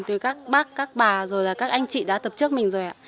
từ các bác các bà rồi là các anh chị đã tập trước mình rồi ạ